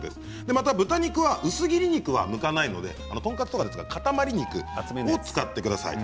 また豚肉は薄切り肉は向かないので、トンカツなどに使う塊肉を使ってください。